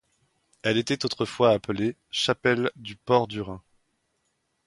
Elle était autrefois appelée chapelle du Port du Rhin.